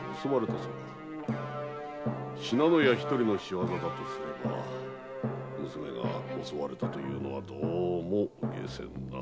信濃屋一人の仕業とすれば娘が襲われたのはどうも解せんな。